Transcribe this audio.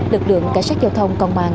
lực lượng cảnh sát giao thông công an